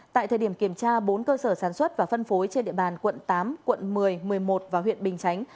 tại thời điểm kiểm tra bốn cơ sở sản xuất và phân phối trên địa bàn quận tám quận một mươi một mươi một và huyện bình chánh